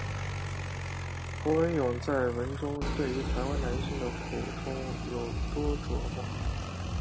侯文咏在文中对于台湾男性的苦衷有多琢磨。